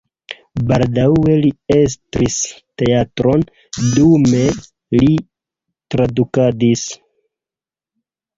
Baldaŭe li estris teatron, dume li tradukadis.